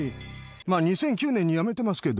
まあ、２００９年に辞めてますけど。